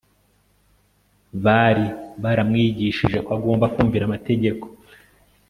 Bari baramwigishije ko agomba kumvira amategeko